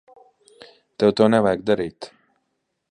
Tev to nevajag darīt.